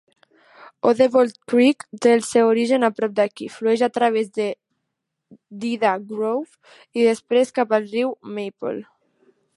Odebolt Creek té el seu origen a prop d'aquí, flueix a través d'Ida Grove i després, cap al riu Maple.